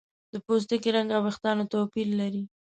د پوستکي رنګ او ویښتان توپیر لري.